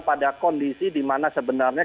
pada kondisi di mana sebenarnya